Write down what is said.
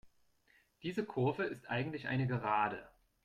Diese Kurve ist eigentlich eine Gerade.